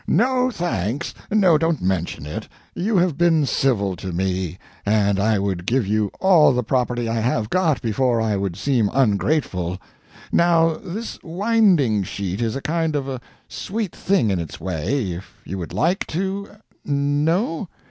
No thanks no, don't mention it you have been civil to me, and I would give you all the property I have got before I would seem ungrateful. Now this winding sheet is a kind of a sweet thing in its way, if you would like to No?